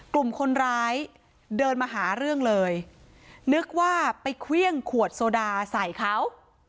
กลุ่มคนร้ายเดินมาหาเรื่องเลยนึกว่าไปเครื่องขวดโซดาใส่เขา